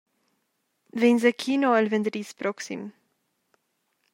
Vegns a kino il venderdis proxim?